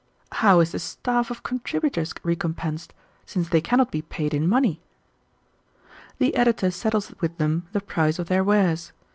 "How is the staff of contributors recompensed, since they cannot be paid in money?" "The editor settles with them the price of their wares.